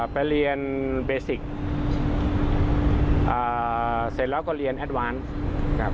ไปเรียนเบสิกเสร็จแล้วก็เรียนแอดวานครับ